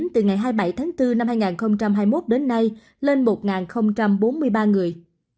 từ ngày hai mươi bảy tháng bốn năm hai nghìn hai mươi một đến nay lên một bốn mươi ba người